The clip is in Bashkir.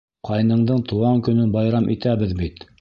Ҡайныңдың тыуған көнөн байрам итәбеҙ бит.